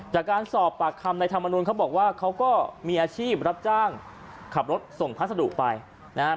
จากการสอบปากคำในธรรมนุนเขาบอกว่าเขาก็มีอาชีพรับจ้างขับรถส่งพัสดุไปนะฮะ